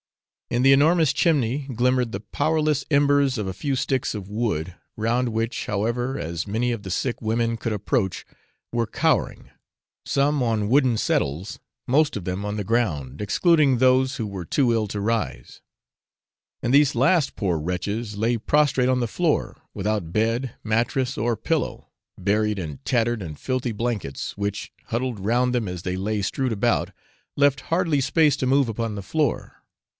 In the enormous chimney glimmered the powerless embers of a few sticks of wood, round which, however, as many of the sick women as could approach, were cowering; some on wooden settles, most of them on the ground, excluding those who were too ill to rise; and these last poor wretches lay prostrate on the floor, without bed, mattress, or pillow, buried in tattered and filthy blankets, which, huddled round them as they lay strewed about, left hardly space to move upon the floor.